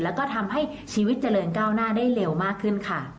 แล้วก็ทำให้ชีวิตเจริญก้าวหน้าได้เร็วมากขึ้นค่ะ